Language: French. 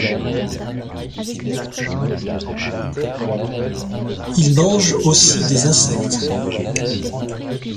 Il mange aussi des insectes.